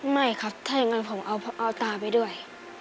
ไม่ครับถ้าอย่างนั้นผมเอาตาไปด้วย